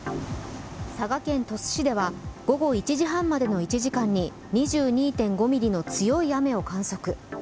佐賀県鳥栖市では午後１時半までの１時間に２２．５ミリの強い雨を観測。